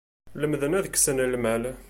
Lemden ad ksen lmal.